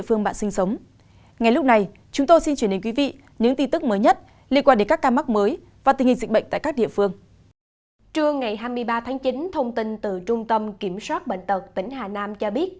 trưa ngày hai mươi ba tháng chín thông tin từ trung tâm kiểm soát bệnh tật tỉnh hà nam cho biết